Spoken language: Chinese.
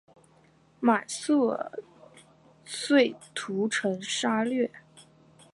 满速儿遂屠城杀掠。